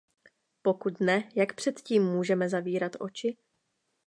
Pokud ne, jak před tím můžeme zavírat oči?